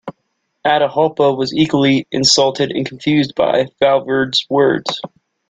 Atahualpa was equally insulted and confused by Valverde's words.